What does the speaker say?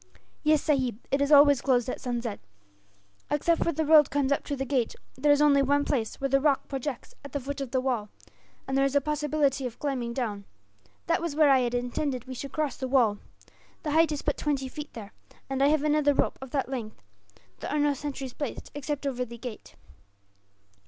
"Yes, sahib, it is always closed at sunset. Except where the road comes up to the gate, there is only one place where the rock projects at the foot of the wall, and there is a possibility of climbing down. That was where I had intended we should cross the wall. The height is but twenty feet, there, and I have another rope of that length. There are no sentries placed, except over the gate.